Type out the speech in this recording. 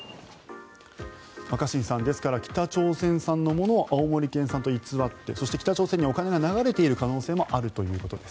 若新さんですから北朝鮮産のものを青森県産と偽ってそして、北朝鮮にお金が流れている可能性もあるということです。